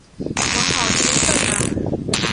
我好兴奋啊！